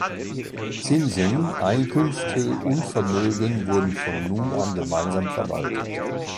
Zinsen, Einkünfte und Vermögen wurden von nun an gemeinsam verwaltet.